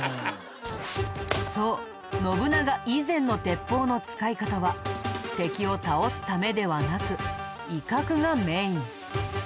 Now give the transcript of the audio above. そう信長以前の鉄砲の使い方は敵を倒すためではなく威嚇がメイン。